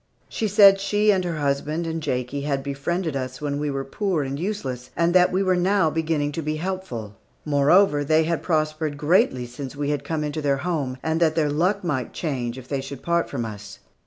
She said she and her husband and Jakie had befriended us when we were poor and useless, and that we were now beginning to be helpful. Moreover, that they had prospered greatly since we had come into their home, and that their luck might change if they should part from us.